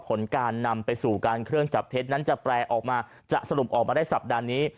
ผลการนำไปสู่การเครื่องจับเท็จนั้นจะแปลออกมาจะสรุปออกมาได้สัปดาห์นี้